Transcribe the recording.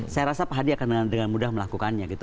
saya rasa pak hadi akan dengan mudah melakukannya gitu